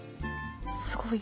すごい。